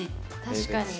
確かに。